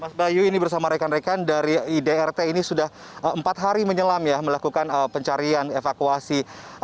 mas bayu ini bersama rekan rekan dari idrt ini sudah empat hari menyelam ya melakukan pencarian evakuasi